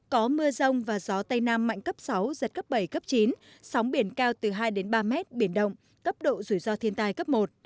có mưa rông và gió tây nam mạnh cấp sáu giật cấp bảy cấp chín sóng biển cao từ hai ba mét biển động cấp độ rủi ro thiên tai cấp một